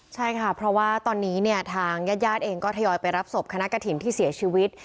ใช่ค่ะเพราะว่าตอนนี้เนี่ยทางญาติญาติเองก็ทยอยไปรับศพคณะกระถิ่นที่เสียชีวิต